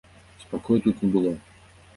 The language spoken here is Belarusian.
Спакою тут не было.